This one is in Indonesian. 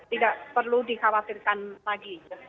tidak perlu dikhawatirkan lagi